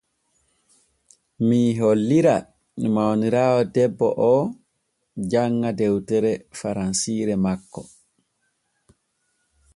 Mii hollira mawniraawo debbo oo janŋa dewtere faransiire makko.